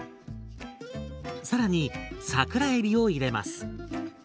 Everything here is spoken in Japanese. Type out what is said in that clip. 更に桜えびを入れます。